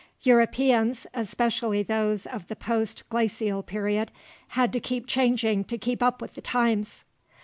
Europeans, especially those of the post glacial period, had to keep changing to keep up with the times.